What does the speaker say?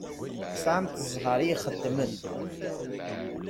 Tesεamt ẓẓher i ixeddmen.